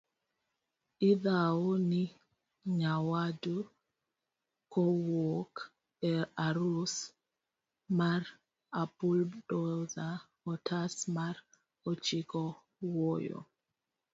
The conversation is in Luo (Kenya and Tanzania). idhau ni nyawadu kowuok e arus mar buldoza otas mar ochiko wuoyo